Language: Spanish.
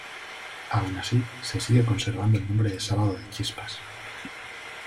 Aun así, se sigue conservando el nombre de Sábado de Chispas.